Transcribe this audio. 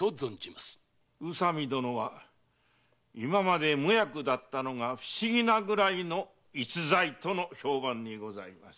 宇佐美殿は今まで無役だったのが不思議なぐらいの逸材との評判にございます。